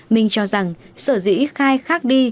minh cho rằng sở dĩ khai khác đi